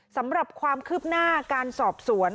สำหรับความคืบหน้าการสอบสวน